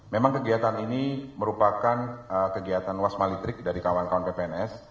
memang kegiatan ini merupakan kegiatan wasma litrik dari kawan kawan ppns